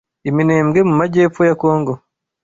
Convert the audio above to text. i Minembwe mu Majyepfo ya congo